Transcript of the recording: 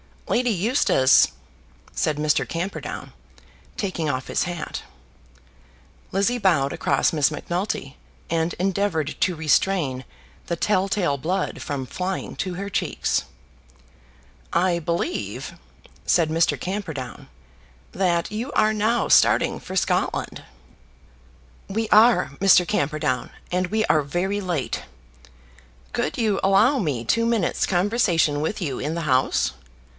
"Lady Eustace!" said Mr. Camperdown, taking off his hat. Lizzie bowed across Miss Macnulty, and endeavoured to restrain the tell tale blood from flying to her cheeks. "I believe," said Mr. Camperdown, "that you are now starting for Scotland." "We are, Mr. Camperdown; and we are very late." "Could you allow me two minutes' conversation with you in the house?"